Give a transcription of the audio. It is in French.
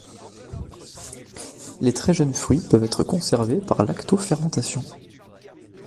Les très jeunes fruits peuvent être conservés par lacto-fermentation.